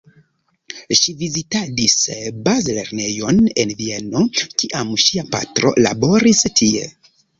Ŝi vizitadis bazlernejon en Vieno, kiam ŝia patro laboris tie.